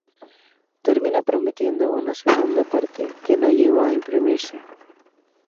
Termina prometiendo una segunda parte, que no llegó a imprimirse.